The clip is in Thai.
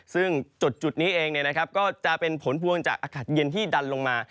ซึ่งจุดนี้เองก็จะเป็นผลพวงจากอากาศเย็นที่ดันลงมา